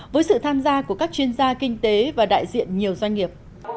với sự tham gia của các chuyên gia kinh tế và đại diện nhiều doanh nghiệp